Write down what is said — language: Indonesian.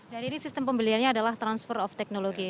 jadi ini sistem pembeliannya adalah transfer of technology